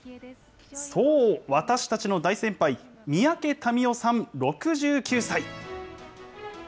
そう、私たちの大先輩、三宅民夫さん６９歳。